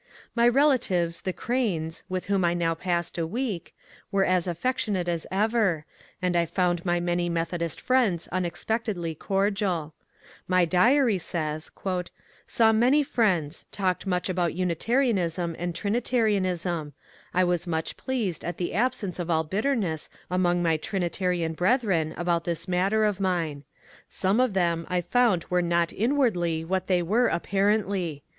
My relatives, the Cranes, with whom I now passed a week, were as affectionate as ever, and I found my many Methodist friends unexpectedly cordial. My diary says :" Saw many friends — talked much about Unitarianism and Trinitarian ism. I was much pleased at the absence of all bitterness among my Trinitarian brethren about this matter of mine. Some of them I found were not inwardly what they were apparently.